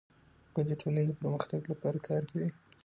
هغوی د ټولنې د پرمختګ لپاره کار کوي.